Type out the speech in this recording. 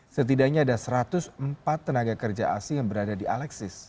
setidaknya ada satu ratus empat tenaga kerja asing yang berada di alexis